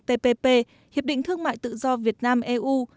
tppp hiệp định thương mại tự do việt nam eu